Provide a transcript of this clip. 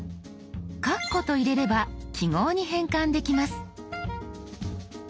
「かっこ」と入れれば記号に変換できます。